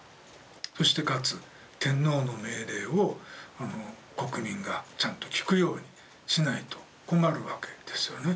そしてかつ天皇の命令を国民がちゃんと聞くようにしないと困るわけですよね。